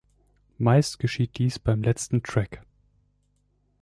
Meist geschieht dies beim letzten Track.